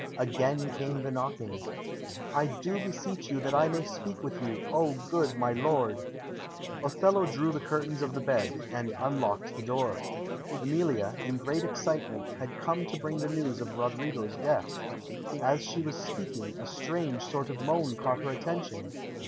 Again came the knocking. "I do beseech you that I may speak with you, O good my lord." Othello drew the curtains of the bed, and unlocked the door. Emilia, in great excitement, had come to bring the news of Roderigo's death. As she was speaking, a strange sort of moan caught her attention.